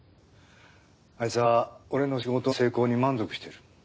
アイツは俺の仕事の成功に満足してる。